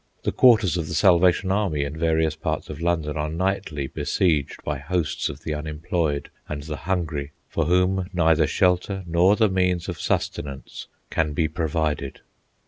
The quarters of the Salvation Army in various parts of London are nightly besieged by hosts of the unemployed and the hungry for whom neither shelter nor the means of sustenance can be provided."